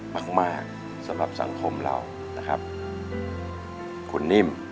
มากมากสำหรับสังคมเรานะครับคุณนิ่ม